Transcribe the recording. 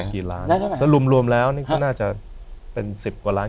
กี่ล้านแล้วรวมแล้วนี่ก็น่าจะเป็นสิบกว่าล้าน